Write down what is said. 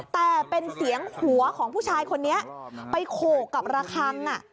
แต่เป็นเสียงหัวของผู้ชายคนนี้ไปโขกกับระคัง